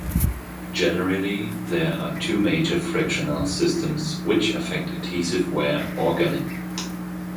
Generally there are two major frictional systems which affect adhesive wear or galling.